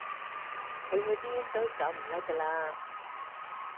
佢去邊都走唔甩㗎啦